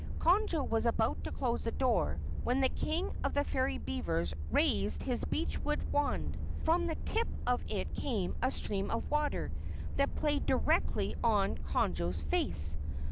Conjo was about to close the door, when the King of the Fairy Beavers raised his beechwood wand. From the tip of it came a stream of water that played directly on Conjo's face.